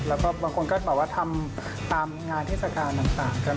หรือก็บางคนก็แบบว่าทำตามงานทศกรรณ์ต่างก็มี